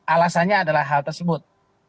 alasannya adalah hal tersebut